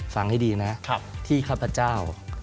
ฟังให้ดีนะที่ข้าพเจ้า